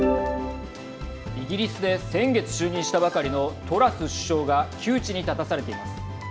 イギリスで先月就任したばかりのトラス首相が窮地に立たされています。